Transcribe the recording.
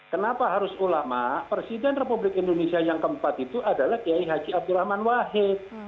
kenapa harus ulama presiden republik indonesia yang keempat itu adalah kiai haji abdurrahman wahid